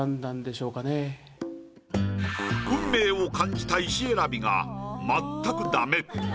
運命を感じた石選びがまったくダメ。